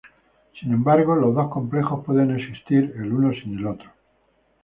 Sin embargo, los dos complejos pueden existir el uno sin el otro.